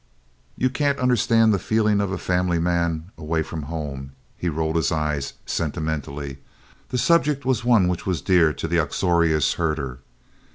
"You can't understand the feelin's of a fambly man away from home." He rolled his eyes sentimentally. The subject was one which was dear to the uxorious herder.